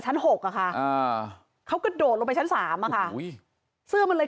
หกอะค่ะเขากระโดดลงไปชั้น๓อะค่ะเสื้อมันเลย